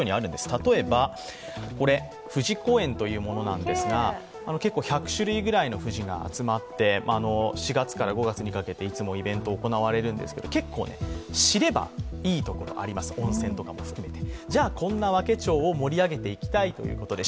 例えばこれ、藤公園というものなんですが、１００種類ぐらいの藤が集まって、４月から５月にかけていつもイベントが行われるんですけど結構知ればいいところあります、温泉とかも含めて。